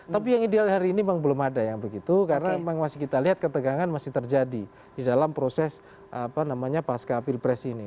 tapi yang ideal hari ini memang belum ada yang begitu karena memang masih kita lihat ketegangan masih terjadi di dalam proses apa namanya pasca pilpres ini